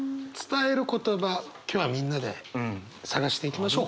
今日はみんなで探していきましょう。